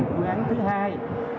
quy hoạch thứ hai